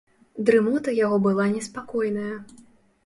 Дрымота яго была неспакойная.